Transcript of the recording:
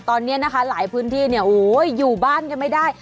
ตอนนี้นะคะหลายพื้นที่เนี่ยโอ้โหอยู่บ้านกันไม่ได้